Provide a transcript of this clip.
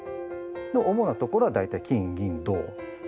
主なところは大体金銀銅鉄。